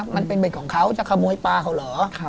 มันเป็นเบ็ดของเขาจะขโมยปลาเขาเหรอ